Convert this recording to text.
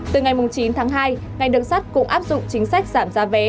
từ ngày chín tháng hai ngành đường sắt cũng áp dụng chính sách giảm giá vé